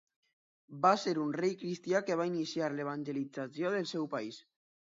Va ser un rei cristià que va iniciar l'evangelització del seu país.